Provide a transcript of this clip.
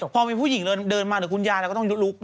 พอมีผู้หญิงเดินมาหรือคุณยายก็ต้องยุดลุก